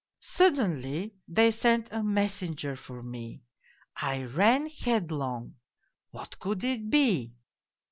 " Suddenly they sent a messenger for me. I ran headlong what could it be